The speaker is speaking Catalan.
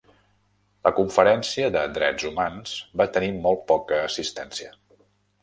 La Conferència de Drets Humans va tenir molt poca assistència.